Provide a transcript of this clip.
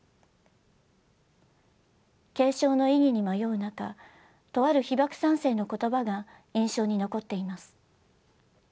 継承の意義に迷う中とある被爆三世の言葉が印象に残っています。